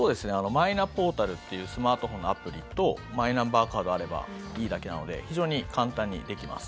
マイナポータルっていうスマートフォンのアプリとマイナンバーカードがあればいいだけなので非常に簡単にできます。